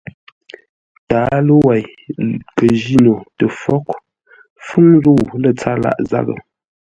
Tǎalo wei kə jíno tə fwóghʼ fúŋ zə̂u lə́ tsâr lâʼ zághʼə.